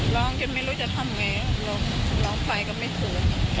ร้องจนไม่รู้จะทำไงร้องไปก็ไม่สวย